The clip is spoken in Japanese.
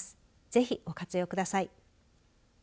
ぜひ、ご活用ください。